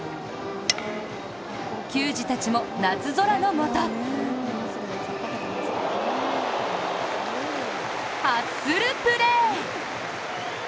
球児たちも夏空のもとハッスルプレー！